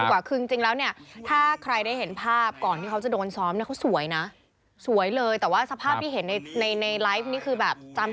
อยู่ในห้องพักในคอนโดมิเนี่ยม